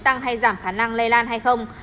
tăng hay giảm khả năng lây lan hay không